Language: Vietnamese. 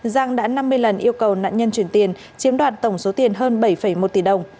giang đã năm mươi lần yêu cầu nạn nhân chuyển tiền chiếm đoạt tổng số tiền hơn bảy một tỷ đồng